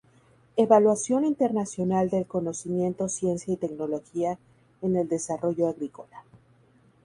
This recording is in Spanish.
Evaluación Internacional del Conocimiento Ciencia y Tecnología en el Desarrollo Agrícola.